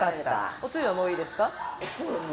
おつゆはもういいですか？